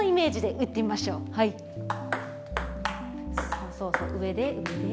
そうそうそう上で上で。